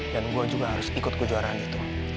gue juga harus ikut kejuaraan itu